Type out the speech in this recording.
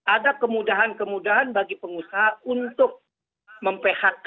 ada kemudahan kemudahan bagi pengusaha untuk mem phk